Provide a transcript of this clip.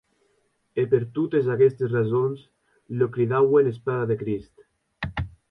E per totes aguestes rasons lo cridauen Espada de Crist.